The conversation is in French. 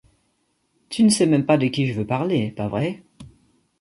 Tu ne sais même pas de qui je veux parler, pas vrai?